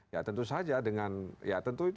ya tentu saja dengan ya tentu itu